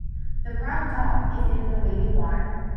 The brown dog is in the waving water.